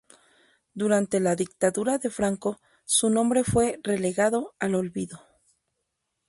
Durante la dictadura de Franco, su nombre fue relegado al olvido.